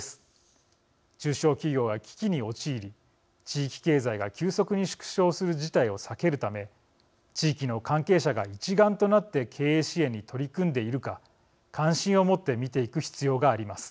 中小企業が危機に陥り地域経済が急速に縮小する事態を避けるため地域の関係者が一丸となって経営支援に取り組んでいるか関心を持って見ていく必要があります。